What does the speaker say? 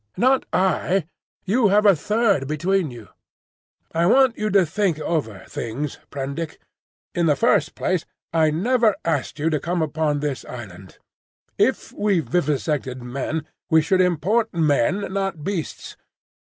"Not I! You have a third between you." "I want you to think over things, Prendick. In the first place, I never asked you to come upon this island. If we vivisected men, we should import men, not beasts.